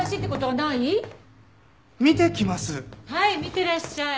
はい見てらっしゃい。